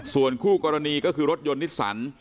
ส่วนคู่กรณีก็คือรถยนต์นิสสัน